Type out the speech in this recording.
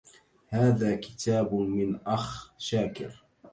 هذا كتاب من أخ شاكر